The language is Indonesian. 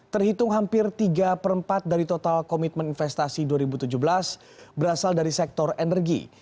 terhitung hampir tiga per empat dari total komitmen investasi dua ribu tujuh belas berasal dari sektor energi